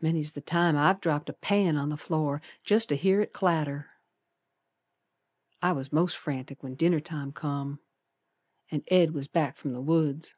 Many's the time I've dropped a pan on the floor Jest to hear it clatter. I was most frantic when dinner time come An' Ed was back from the woods.